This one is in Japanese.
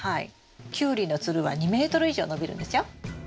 キュウリのつるは２ｍ以上伸びるんですよ。